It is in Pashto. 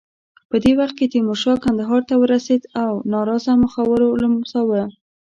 په دې وخت کې تیمورشاه کندهار ته ورسېد او ناراضه مخورو لمساوه.